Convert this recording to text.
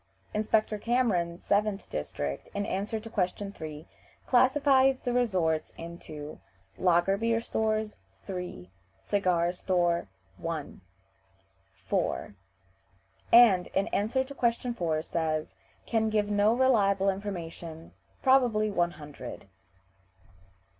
Inspector Cameron, 7th district, in answer to question 3, classifies the resorts into Lager beer stores 3 Cigar store 1 4 and, in answer to question 4, says: "Can give no reliable information; probably one hundred."